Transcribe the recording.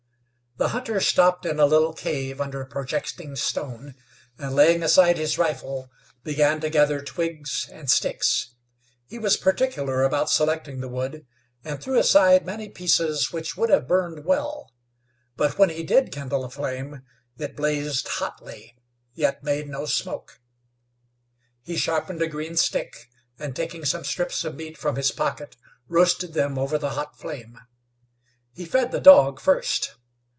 The hunter stopped in a little cave under a projecting stone, and, laying aside his rifle, began to gather twigs and sticks. He was particular about selecting the wood, and threw aside many pieces which would have burned well; but when he did kindle a flame it blazed hotly, yet made no smoke. He sharpened a green stick, and, taking some strips of meat from his pocket, roasted them over the hot flame. He fed the dog first.